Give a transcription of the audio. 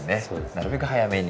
なるべく早めに。